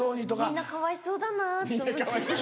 みんなかわいそうだなと思って。